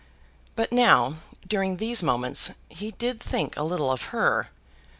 But now, during these moments, he did think a little of her.